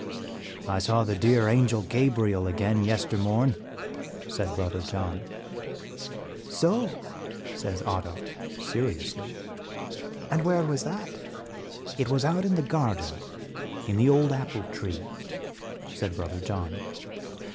"I saw the dear Angel Gabriel again yester morn," said Brother John. "So!" says Otto, seriously; "and where was that?" "It was out in the garden, in the old apple tree," said Brother John.